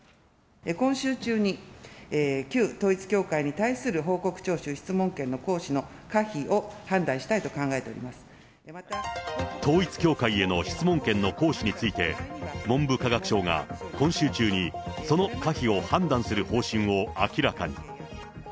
今週中に旧統一教会に対する報告徴収・質問権の行使の可否を統一教会への質問権の行使について、文部科学省が今週中に、その可否を判断する方針を明らかに。